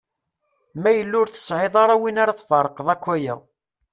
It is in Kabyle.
Ma yella ur tesɛiḍ ara win ara tferqeḍ akk aya.